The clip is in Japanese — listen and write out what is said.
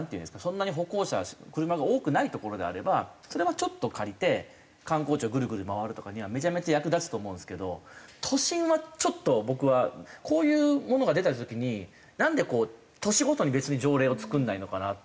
そんなに歩行者車が多くない所であればそれはちょっと借りて観光地をぐるぐる回るとかにはめちゃめちゃ役立つと思うんですけど都心はちょっと僕はこういうものが出た時になんで都市ごとに別に条例を作らないのかなと思って。